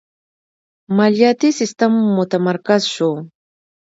مالیاتی سیستم متمرکز شو.